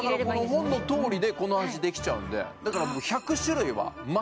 この本のとおりでこの味できちゃうんでですね